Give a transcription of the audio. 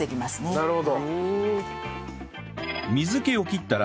なるほど。